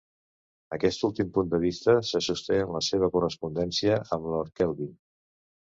Aquest últim punt de vista se sosté en la seva correspondència amb Lord Kelvin.